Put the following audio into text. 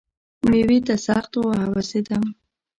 مېوې ته سخت وهوسېدم .